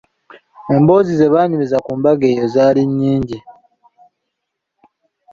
Emboozi zebaanyumiza ku mbaga eyo zaali nnyingi.